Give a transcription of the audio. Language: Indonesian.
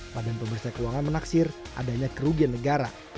pada pemerintah keuangan menaksir adanya kerugian negara